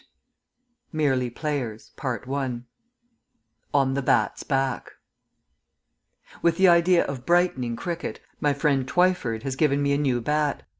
_) MERELY PLAYERS ON THE BAT'S BACK With the idea of brightening cricket, my friend Twyford has given me a new bat.